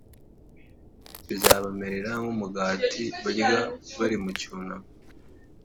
Bizabamerera nk’umugati barya bari mu cyunamo,